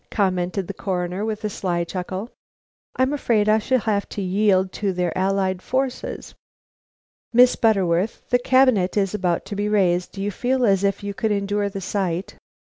commented the Coroner, with a sly chuckle. "I am afraid I shall have to yield to their allied forces. Miss Butterworth, the cabinet is about to be raised; do you feel as if you could endure the sight?"